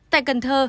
tại cần thơ